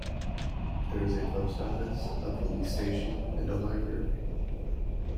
There is a post office, a police station and a library.